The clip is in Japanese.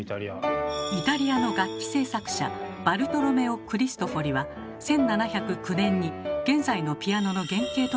イタリアの楽器製作者バルトロメオ・クリストフォリは１７０９年に現在のピアノの原型となる楽器を発明。